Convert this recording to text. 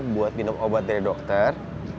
buat minum obat dari dokter